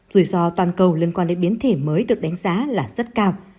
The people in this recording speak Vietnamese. rủi ro toàn cầu liên quan đến biến thể mới được đánh giá là rất cao